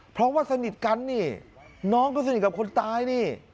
เพราะว่าสนิทกันนี่น้องก็สนิทกับคนตายนี่